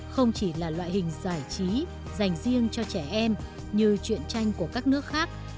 không chỉ là loại hình giải trí dành riêng cho trẻ em như chuyện tranh của các nước khác